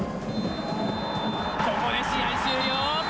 ここで試合終了。